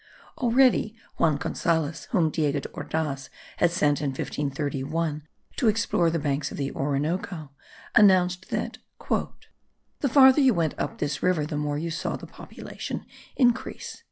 Already Juan Gonzalez, whom Diego de Ordaz had sent in 1531 to explore the banks of the Orinoco, announced that "the farther you went up this river the more you saw the population increase."